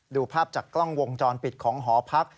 ดูภาพจากกล้องวงจรปิดของหอพัก